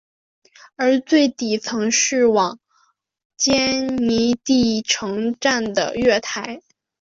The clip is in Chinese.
而最底层是往坚尼地城站的月台。